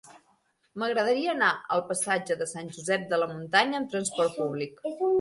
M'agradaria anar al passatge de Sant Josep de la Muntanya amb trasport públic.